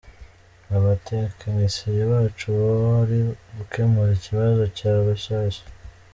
Abatekinisiye bacu bari gukemura ikibazo cya Rushyashya.